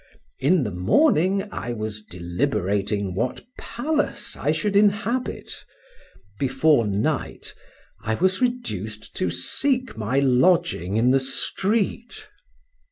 In the morning I was deliberating what palace I should inhabit, before night I was reduced to seek my lodging in the street.